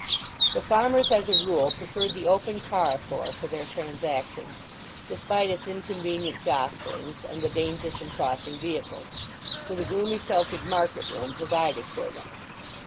The farmers as a rule preferred the open carrefour for their transactions, despite its inconvenient jostlings and the danger from crossing vehicles, to the gloomy sheltered market room provided for them.